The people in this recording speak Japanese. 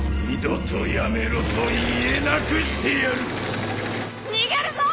二度とやめろと言えなくしてやる。